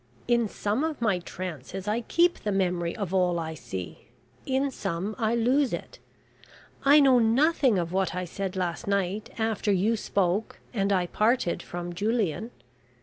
In some of my trances I keep the memory of all I see; in some I lose it. I know nothing of what I said last night after you spoke and I parted from Julian.